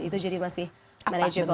itu jadi masih manageable